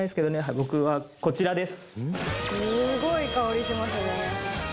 僕はこちらです